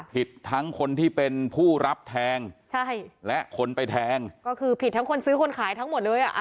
ผิดทั้งคนที่เป็นผู้รับแทงใช่และคนไปแทงก็คือผิดทั้งคนซื้อคนขายทั้งหมดเลยอ่ะ